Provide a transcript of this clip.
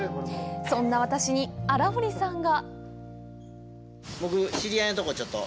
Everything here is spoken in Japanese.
そんな私に荒堀さんが。